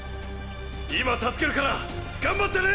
今助けるからがんばってね！！